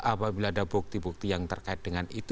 apabila ada bukti bukti yang terkait dengan itu